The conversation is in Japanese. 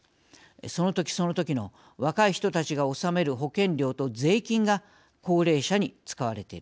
その時その時の若い人たちが納める保険料と税金が高齢者に使われている。